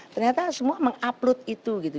ternyata semua mengupload itu gitu